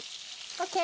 ＯＫ。